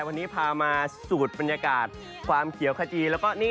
วันนี้พามาสูดบรรยากาศความเขียวขจีแล้วก็นี่